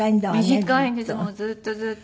短いんですずっとずっと。